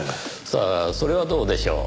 さあそれはどうでしょう？